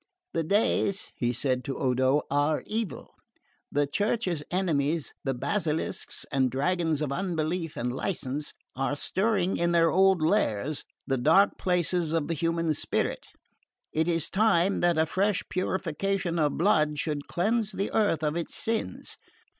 "The days," he said to Odo, "are evil. The Church's enemies, the basilisks and dragons of unbelief and license, are stirring in their old lairs, the dark places of the human spirit. It is time that a fresh purification by blood should cleanse the earth of its sins.